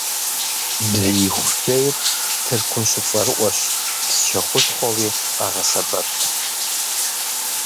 Бзииху шейр Тыркум щыцӏэрыӏуэщ, псчэ хущхъуэуи къагъэсэбэп.